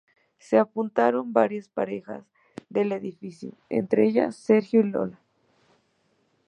Se apuntaron varias parejas del edificio, entre ellas Sergio y Lola.